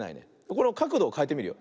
このかくどをかえてみるよ。